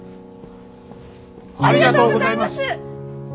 ありがとうございます！